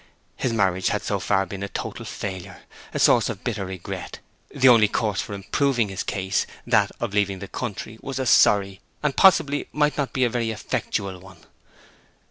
His marriage had so far been a total failure, a source of bitter regret; and the only course for improving his case, that of leaving the country, was a sorry, and possibly might not be a very effectual one.